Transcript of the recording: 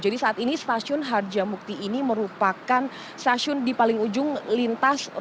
jadi saat ini stasiun harjamukti ini merupakan stasiun di paling ujung lintas rute cibubur